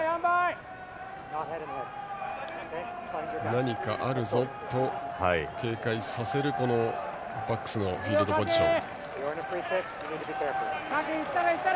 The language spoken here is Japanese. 何かあるぞと警戒させるバックスのポジション。